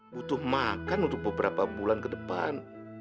butuh makan untuk beberapa bulan ke depan